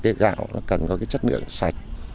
cái gạo nó cần có cái chất lượng sạch